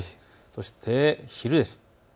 そして昼です。